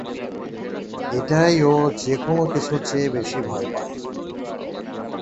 এটাই ও যে কোনও কিছুর চেয়ে বেশি ভয় পায়।